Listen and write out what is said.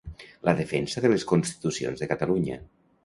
La defensa de les constitucions de Catalunya.